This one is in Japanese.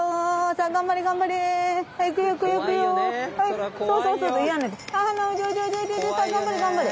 さあ頑張れ頑張れ。